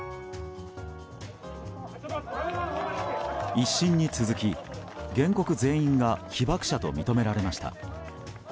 １審に続き原告全員が被爆者と認められました。